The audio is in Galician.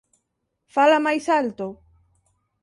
Fala máis alto!